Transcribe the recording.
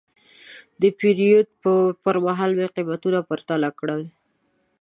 د پیرود پر مهال مې قیمتونه پرتله کړل.